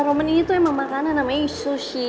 romen ini tuh emang makanan namanya sushi